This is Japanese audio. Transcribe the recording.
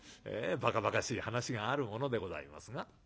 ばかばかしい噺があるものでございますが。